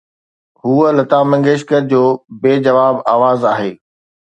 هوءَ لتا منگيشڪر جو بي جواب آواز آهي.